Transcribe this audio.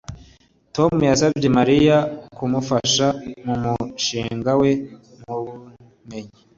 Tom yasabye Mariya kumufasha mumushinga we wubumenyi